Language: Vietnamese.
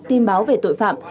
tin báo về tội phạm